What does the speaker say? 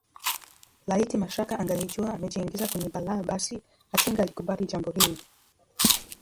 Laiti Mashaka angalijua amejiingiza kwenye balaa basi asingalikubali jambo hili